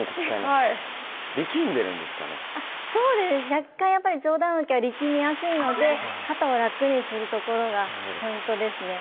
若干やっぱり上段受けは力みやすいので肩は楽にするところがポイントですね。